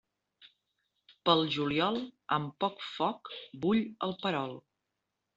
Pel juliol, amb poc foc, bull el perol.